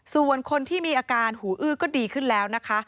ส่วนคนที่มีอาการหูอื้อก็ดีขึ้นแล้วนะคะ